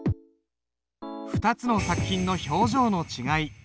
２つの作品の表情の違い。